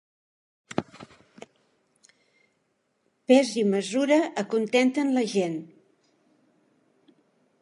Pes i mesura acontenten la gent.